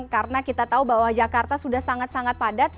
karena kita tahu bahwa jakarta sudah sangat sangat padat